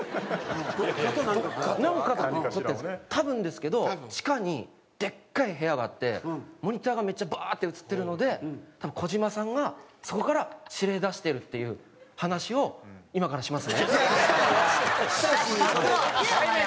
多分ですけど地下にでっかい部屋があってモニターがめっちゃバーッて映ってるので多分児島さんがそこから指令出してるっていう話をカツラ置けよ早く！